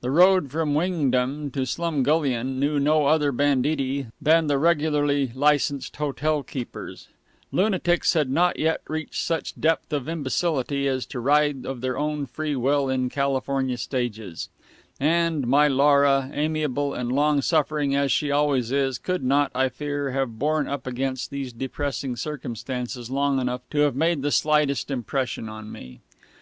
The road from Wingdam to Slumgullion knew no other banditti than the regularly licensed hotelkeepers; lunatics had not yet reached such depth of imbecility as to ride of their own free will in California stages; and my Laura, amiable and long suffering as she always is, could not, I fear, have borne up against these depressing circumstances long enough to have made the slightest impression on me.